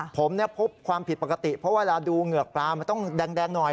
ผมพบความผิดปกติเพราะเวลาดูเหงือกปลามันต้องแดงหน่อย